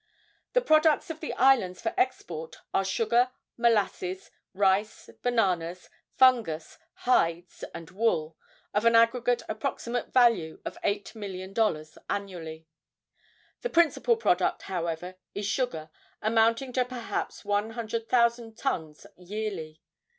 The products of the islands for export are sugar, molasses, rice, bananas, fungus, hides and wool, of an aggregate approximate value of eight million dollars annually. The principal product, however, is sugar, amounting to perhaps one hundred thousand tons yearly.